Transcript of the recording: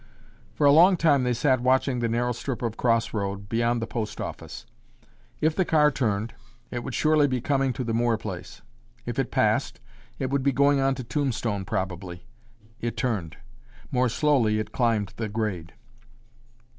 For a long time they sat watching the narrow strip of cross road beyond the post office. If the car turned, it would surely be coming to the Moore place. If it passed, it would be going on to Tombstone probably. It turned. More slowly it climbed the grade.